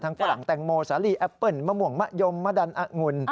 ฝรั่งแตงโมสาลีแอปเปิ้ลมะม่วงมะยมมะดันองุล